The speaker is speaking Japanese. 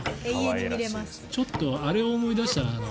ちょっとあれを思い出した。